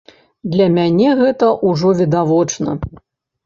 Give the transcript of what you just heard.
Для мяне гэта ўжо відавочна.